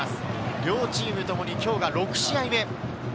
両チームともに今日は６試合目。